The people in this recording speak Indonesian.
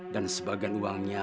dan sebagian uangnya